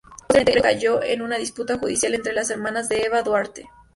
Posteriormente, el predio cayó en una disputa judicial entre las hermanas de Eva Duarte.